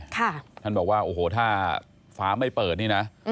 ท่านบอกว่าโอ้โหถ้าฟ้าไม่เปิดนี่นะ